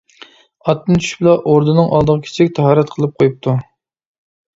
ئاتتىن چۈشۈپلا ئوردىنىڭ ئالدىغا كىچىك تاھارەت قىلىپ قويۇپتۇ.